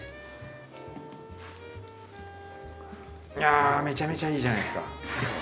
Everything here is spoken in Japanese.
あめちゃめちゃいいじゃないですか。